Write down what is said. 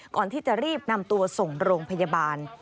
ก่อนที่จะรีบนำตัวส่งโรงพยาบาล